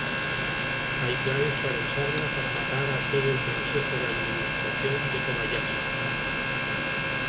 Hay planes para usarla para matar a todo el Consejo de Administración de Kobayashi.